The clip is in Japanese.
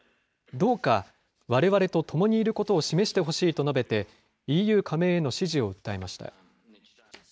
どうかわれわれと共にいること示してほしいと述べて、ＥＵ加盟への支持を訴えました。